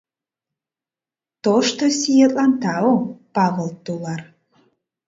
— Тошто сиетлан тау, Павыл тулар!